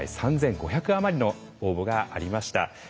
今回３，５００余りの応募がありました。